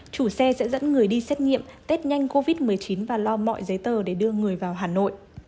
chủ xe sẽ dẫn người đi xét nghiệm test nhanh covid một mươi chín và lo mọi giấy tờ để đưa người vào hà nội